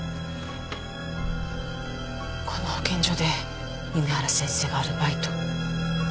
この保健所で弓原先生がアルバイト。